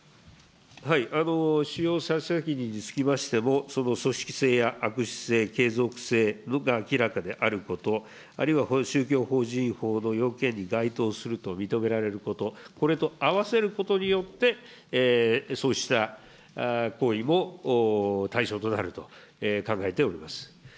使用者責任につきましても、その組織性や悪質性、継続性が明らかであること、あるいは宗教法人法の要件に該当すると認められること、これと合わせることによって、そうした行為も対象となると考えております。